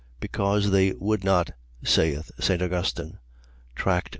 . .Because they would not, saith St. Augustine, Tract.